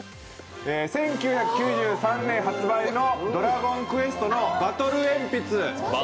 １９９３年発売の「ドラゴンクエスト」のバトルえんぴつ。